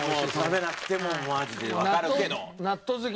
食べなくてもマジでわかるけど。